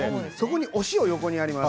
お塩を横にあります。